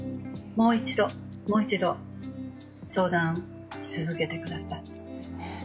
もう一度、もう一度相談を続けてください。